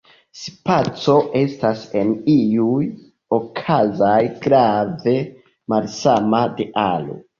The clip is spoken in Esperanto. Spaco estas en iuj okazoj grave malsama de aro.